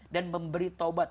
dan memberi taubat